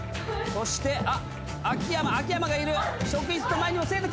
そしてあっ秋山がいる職員室の前にも生徒来た。